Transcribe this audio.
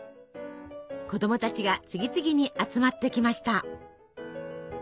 子どもたちが次々に集まってきました。